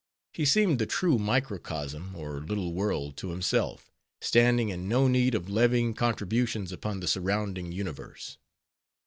He seemed the true microcosm, or little world to himself: standing in no need of levying contributions upon the surrounding universe.